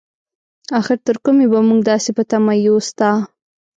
اخر تر کومې به مونږ داسې په تمه يو ستا؟